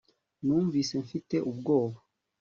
Numvise mfite ubwoba